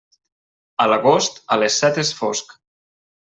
A l'agost, a les set és fosc.